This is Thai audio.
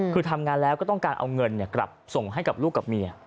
คือทำงานแล้วก็ต้องการเอาเงินกลับส่งให้กับลูกกับเมีย